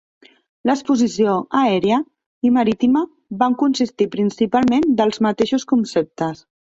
L'exposició aèria i marítima van consistir principalment dels mateixos conceptes.